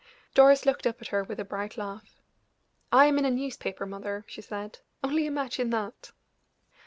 Doris looked up at her with a bright laugh. "I am in a newspaper, mother," she said, "only imagine that!"